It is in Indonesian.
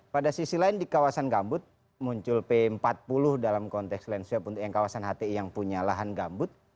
pada sisi lain di kawasan gambut muncul p empat puluh dalam konteks lands swab untuk yang kawasan hti yang punya lahan gambut